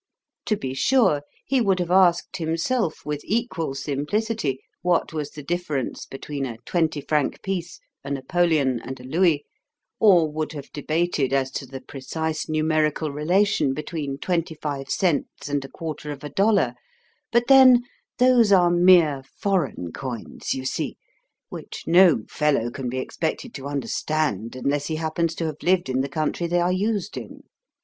To be sure, he would have asked himself with equal simplicity what was the difference between a twenty franc piece, a napoleon, and a louis, or would have debated as to the precise numerical relation between twenty five cents and a quarter of a dollar; but then, those are mere foreign coins, you see, which no fellow can be expected to understand, unless he happens to have lived in the country they are used in.